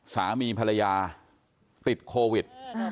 สามีภรรยาติดโควิด